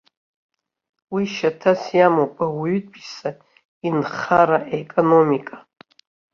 Уи шьаҭас иамоуп ауаҩытәыҩса инхара, иекономика.